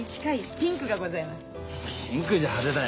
ピンクじゃ派手だよ。